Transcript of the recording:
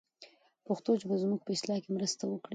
پښتو ژبه به زموږ په اصلاح کې مرسته وکړي.